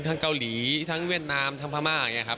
เกาหลีทั้งเวียดนามทั้งพม่าอย่างนี้ครับ